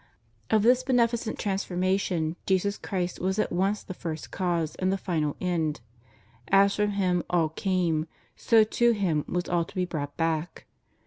Of this beneficent transformation Jesus Christ was at once the First Cause and the final end; as from Him all came, so to Him was all to be brought back.